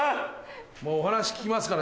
もうお話聞きますからね。